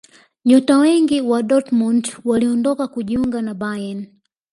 nyota wengi wa dortmund waliondoka kujiunga na bayern